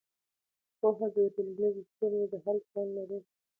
پوهه د ټولنیزو ستونزو د حل توان لري.